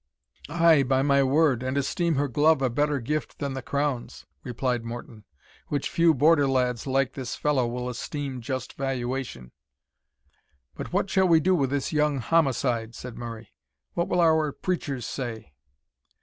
"Ay, by my word, and esteem her glove a better gift than the crowns," replied Morton, "which few Border lads like this fellow will esteem just valuation." "But what shall we do with this young homicide?" said Murray; "what will our preachers say?"